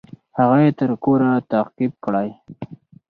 هغه يې تر کوره تعقيب کړى.